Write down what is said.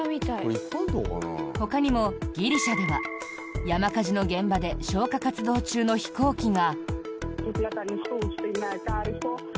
ほかにも、ギリシャでは山火事の現場で消火活動中の飛行機が。